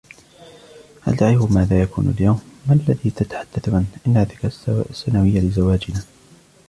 هل تعرف ماذا يكون اليوم؟ " ما الذي تتحدث عنهُ" " إنها الذكرى السنوية لزواجنا!"